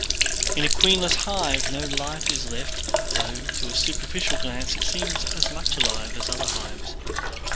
In a queenless hive no life is left though to a superficial glance it seems as much alive as other hives.